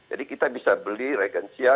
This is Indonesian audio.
jadi kita bisa beli regensia